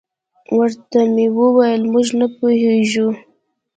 ورته مې وویل: موږ نه پوهېږو.